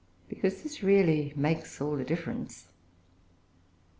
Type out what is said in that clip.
Because this really makes all the difference.